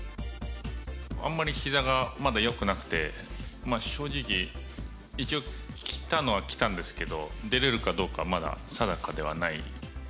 あんまりひざがまだよくなくて、正直、一応、来たのは来たんですけど、出れるかどうか、まだ定かではない。